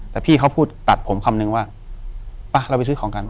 แต่พี่เขาพูดตัดผมคำนึงว่าป่ะเราไปซื้อของกัน